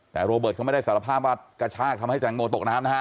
แต่โรเบิร์ตเขาไม่ได้สารภาพว่ากระชากทำให้แตงโมตกน้ำนะฮะ